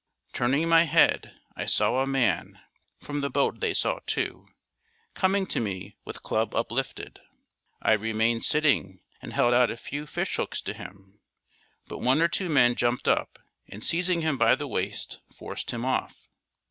Turning my head I saw a man (from the boat they saw two) coming to me with club uplifted. I remained sitting and held out a few fish hooks to him, but one or two men jumped up and, seizing him by the waist, forced him off.